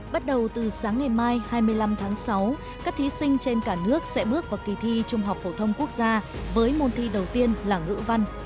bắt đầu từ sáng ngày mai hai mươi năm tháng sáu các thí sinh trên cả nước sẽ bước vào kỳ thi trung học phổ thông quốc gia với môn thi đầu tiên là ngữ văn